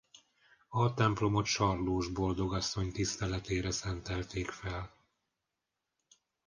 A templomot Sarlós Boldogasszony tiszteletére szentelték fel.